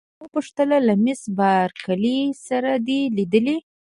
ما وپوښتل: له مس بارکلي سره دي لیدلي؟